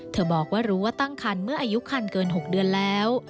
บอกว่ารู้ว่าตั้งคันเมื่ออายุคันเกิน๖เดือนแล้ว